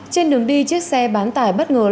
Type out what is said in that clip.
trên đường đi chiếc xe bán tải bất ngờ